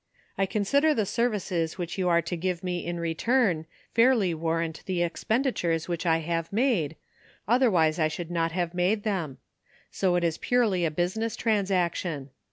I consider the services which you are to give me in return fairly war rant the expenditures which I have made, other wise I should not have made them; so it is purely a business transaction.